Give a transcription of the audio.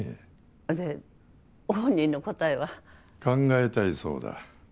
で本人の答えは？考えたいそうだ。